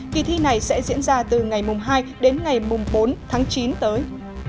kỳ thi này sẽ diễn ra từ ngày hai đến ngày bốn tháng chín tới